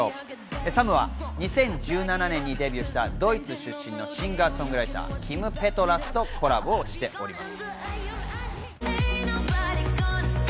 サムは２０１７年にデビューしたドイツ出身のシンガー・ソングライター、キム・ペトラスとコラボしております。